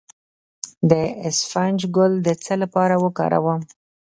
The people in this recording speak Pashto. د اسفناج ګل د څه لپاره وکاروم؟